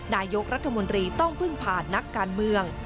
นายกรัฐมนตรีต้องเพิ่งผ่านนักการเมือง